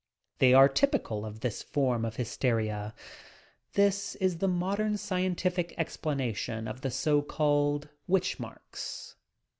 They are typical of this form of hysteria. This is the modem scientific explanation of the so called witeh marks.